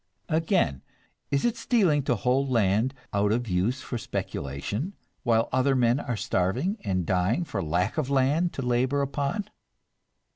Again, is it stealing to hold land out of use for speculation, while other men are starving and dying for lack of land to labor upon?